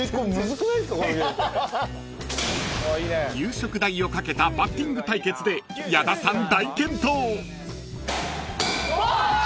［夕食代をかけたバッティング対決で矢田さん大健闘］